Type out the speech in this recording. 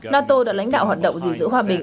nato đã lãnh đạo hoạt động gìn giữ hòa bình